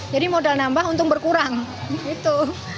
jadi modal nambah untung berkurang kalau lagi mahal begitu